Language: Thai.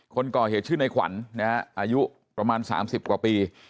คนก่อเหตุชื่อในขวัญนะฮะอายุประมาณ๓๐กว่าปี